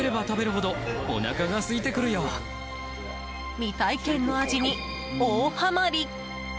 未体験の味に大ハマり。